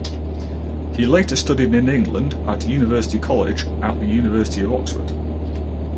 He later studied in England at University College at the University of Oxford.